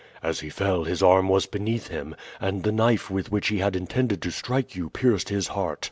"As he fell his arm was beneath him, and the knife with which he had intended to strike you pierced his heart.